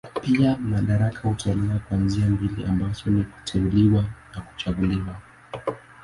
Pia madaraka hutolewa kwa njia mbili ambazo ni kuteuliwa na kuchaguliwa.